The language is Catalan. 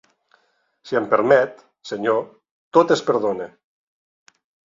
Si em permet, senyor, tot es perdona.